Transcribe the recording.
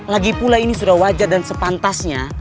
lagipula ini sudah wajar dan sepantasnya